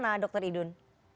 bagaimana dokter idun